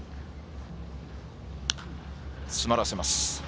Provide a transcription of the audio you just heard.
詰まらせます。